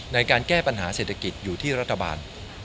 ในการแก้ปัญหาเศรษฐกิจอยู่ที่รัฐบาล